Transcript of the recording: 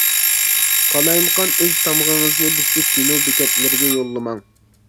قالايمىقان ئۆز تامغىڭىزنى بېسىپ كىنو بېكەتلىرىگە يوللىماڭ.